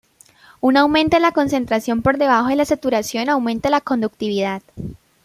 Un aumento en la concentración por debajo de la saturación aumenta la conductividad.